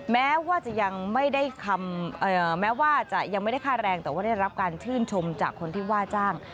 แม้ว่าจะยังไม่ได้ค่าแรงแต่ได้รับการชื่นชมจากคนที่ว่าร์จ้าง